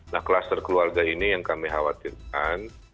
nah kluster keluarga ini yang kami khawatirkan